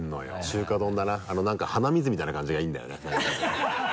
中華丼だなあの何か鼻水みたいな感じがいいんだよね何か。